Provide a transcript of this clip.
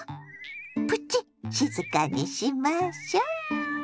プチ静かにしましょ。